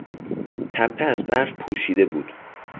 تپه از برف پوشیده بود.